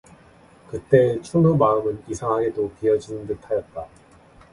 그때의 춘우 마음은 이상하게도 비어지는 듯하였다.